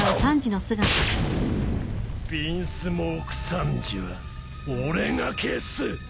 ヴィンスモーク・サンジは俺が消す！